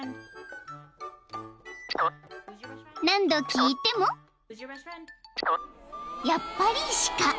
［何度聞いてもやっぱり鹿］